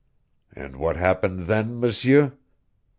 And what happened then, M'seur?